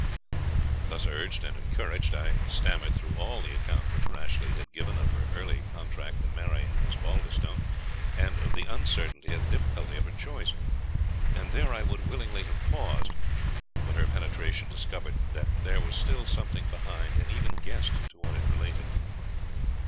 Thus urged and encouraged, I stammered through all the account which Rashleigh had given of her early contract to marry an Osbaldistone, and of the uncertainty and difficulty of her choice; and there I would willingly have paused. But her penetration discovered that there was still something behind, and even guessed to what it related.